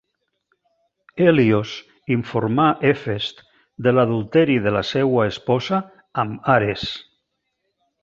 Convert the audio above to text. Hèlios informà Hefest de l'adulteri de la seua esposa amb Ares.